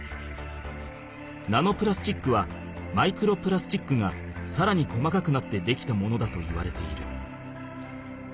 ナノプラスチックはマイクロプラスチックがさらに細かくなってできたものだといわれている。